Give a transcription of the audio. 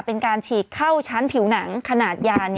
เป็นการฉีกเข้าชั้นผิวหนังขนาดยา